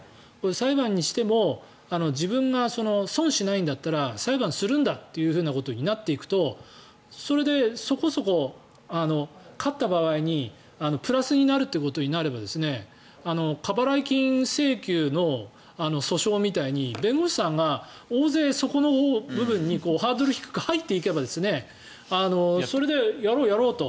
裁判にしても自分が損をしないんだったら裁判するんだということになっていくとそれでそこそこ勝った場合にプラスになることになれば過払い金請求の訴訟みたいに弁護士さんが大勢、そこの部分にハードル低く入っていけばそれでやろう、やろうと。